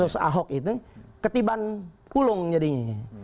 kasus ahok itu ketiban pulung jadinya